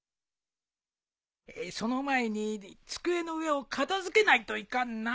その前に机の上を片付けないといかんな。